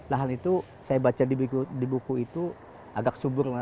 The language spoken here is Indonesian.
lahan itu saya baca di buku itu agak subur